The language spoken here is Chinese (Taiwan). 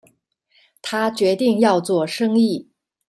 他決定要做生意